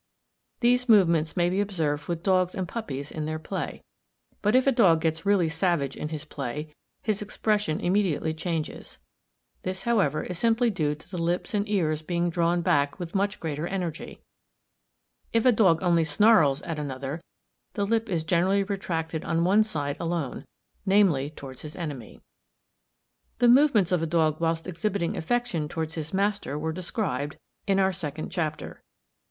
These movements may be observed with dogs and puppies in their play. But if a dog gets really savage in his play, his expression immediately changes. This, however, is simply due to the lips and ears being drawn back with much greater energy. If a dog only snarls at another, the lip is generally retracted on one side alone, namely towards his enemy. Head of Snarling Dog. Fig 14 {illust. caption = FIG. 14.—Head of snarling Dog. From life, by Mr. Wood. The movements of a dog whilst exhibiting affection towards his master were described (figs. 6 and 8) in our second chapter.